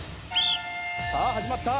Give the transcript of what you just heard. さあ始まった。